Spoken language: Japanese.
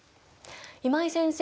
今井先生